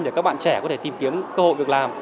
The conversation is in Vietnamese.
để các bạn trẻ có thể tìm kiếm cơ hội việc làm